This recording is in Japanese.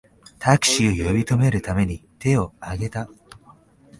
タクシーを呼び止めるために手をあげた